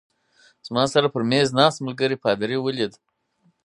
زما سره پر مېز ناست ملګري پادري ولید.